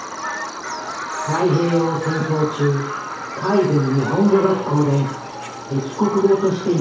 太平洋戦争中海軍日本語学校で敵国語として日本語を学び